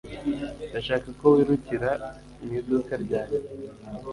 Ndashaka ko wirukira mu iduka ryanjye